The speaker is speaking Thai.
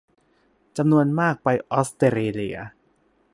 จำนวนมากไปออสเตรเลีย